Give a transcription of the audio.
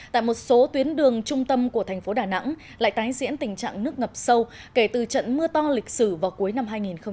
tại một số tuyến đường trung tâm của thành phố đà nẵng lại tái diễn tình trạng nước ngập sâu kể từ trận mưa to lịch sử vào cuối năm hai nghìn một mươi tám